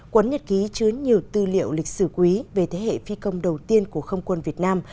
quấn nhật ký chứa nhiều tư liệu lịch sử quý về thế hệ phi công đầu tiên của không quân việt nam